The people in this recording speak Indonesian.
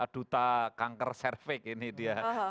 duta kanker cervix ini dia